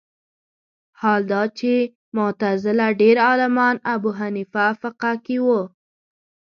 حال دا چې معتزله ډېر عالمان ابو حنیفه فقه کې وو